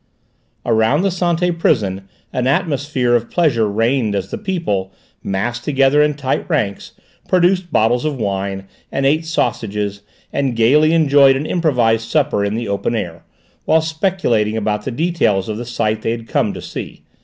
Around the Santé prison an atmosphere of pleasure reigned as the people, massed together in tight ranks, produced bottles of wine, and ate sausages, and gaily enjoyed an improvised supper in the open air, while speculating about the details of the sight they had come to see.